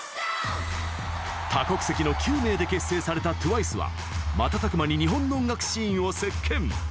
多国籍の９名で結成されたＴＷＩＣＥは、瞬く間に日本の音楽シーンをせっけん。